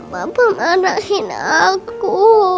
bapak marahin aku